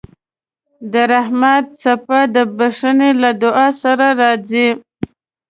د رحمت څپه د بښنې له دعا سره راځي.